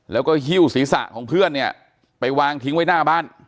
แล้วก็หิ้วศีรษะของเพื่อนเนี่ยไปวางทิ้งไว้หน้าบ้าน